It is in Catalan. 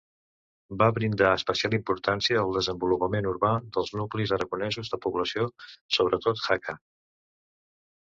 Va brindar especial importància al desenvolupament urbà dels nuclis aragonesos de població, sobretot Jaca.